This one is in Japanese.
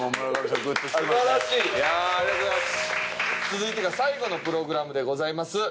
続いてが最後のプログラムでございます。